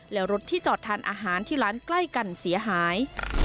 และรถที่จอดทานอาหารที่ร้านใกล้กันเสียหาย